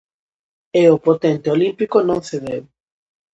E o potente olímpico non cedeu.